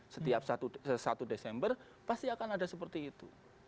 setiap satu desember pasti akan ada seperti itu